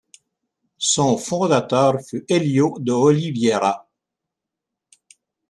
Son fondateur fut Hélio de Oliveira.